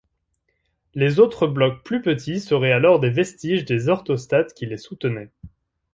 Les autres blocs plus petits seraient alors des vestiges des orthostates qui les soutenaient.